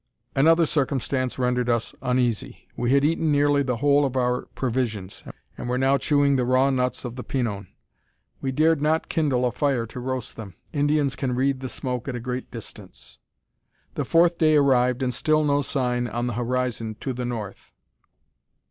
Another circumstance rendered us uneasy. We had eaten nearly the whole of our provisions, and were now chewing the raw nuts of the pinon. We dared not kindle a fire to roast them. Indians can read the smoke at a great distance. The fourth day arrived and still no sign on the horizon to the north.